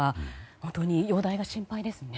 本当に容体が心配ですね。